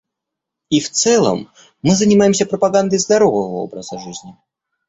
И в целом мы занимаемся пропагандой здорового образа жизни.